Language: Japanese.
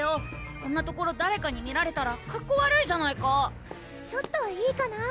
こんなところ誰かに見られたらかっこ悪いじゃないかちょっといいかな？